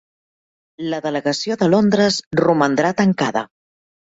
La delegació de Londres romandrà tancada